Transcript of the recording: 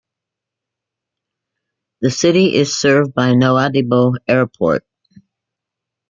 The city is served by Nouadhibou Airport.